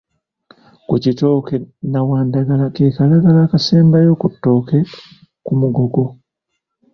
Ku kitooke Nnawandagala ke kalagala akasemba ku ttooke ku mugogo.